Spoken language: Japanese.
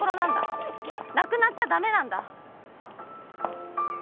なくなっちゃ駄目なんだ。